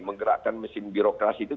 menggerakkan mesin birokrasi itu